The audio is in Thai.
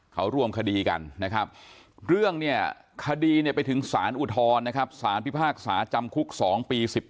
เขาร่วมคดีกันคดี้ไปถึงศาลอุทธรศาลพิพากษาจำคุกสองปี๑๘